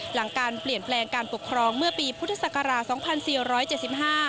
หลังการเปลี่ยนแปลงการปกครองเมื่อปีพุทธศักราช๒๔๗๕